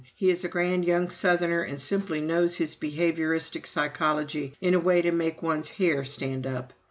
He is a grand young southerner and simply knows his behavioristic psychology in a way to make one's hair stand up.